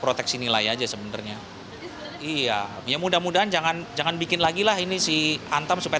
proteksi nilai aja sebenarnya iya mudah mudahan jangan jangan bikin lagi lah ini si antam supaya